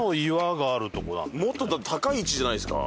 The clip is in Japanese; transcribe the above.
もっと高い位置じゃないですか？